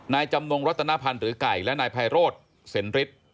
นายจำนงรัตนพันธ์หรือไก่และนายพายโรดเสนฤท